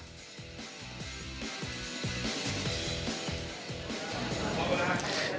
ขอบครับ